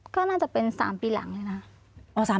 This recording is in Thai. ก็น่าจะเป็น๓ปีหลังเลยนะ